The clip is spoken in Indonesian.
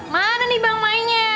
mana nih bank mainnya